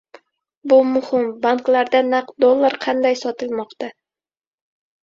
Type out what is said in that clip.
Bu muhim! Banklarda naqd dollar qanday sotilmoqda?